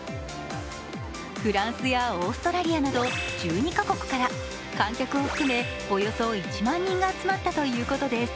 フランスやオーストラリアなど１２カ国から観客を含めおよそ１万人が集まったということです。